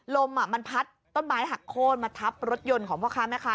ลมมันพัดต้นไม้หักโค้นมาทับรถยนต์ของพ่อค้าแม่ค้า